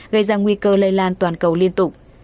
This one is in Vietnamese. gây ra nguy cơ lây lan toàn cầu liên tục